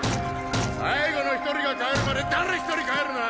最後の一人が帰るまで誰一人帰るな！